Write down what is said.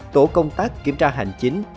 tổ công tác kiểm tra hành chính